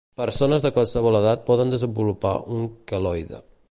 Persones de qualsevol edat poden desenvolupar un queloide.